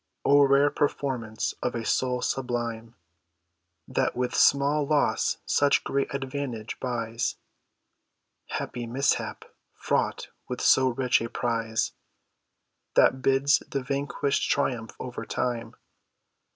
O rare performance of a soul sublime, That with small loss such great advantage buys! Happy mishap! fraught with so rich a prize, That bids the vanquished triumph over time.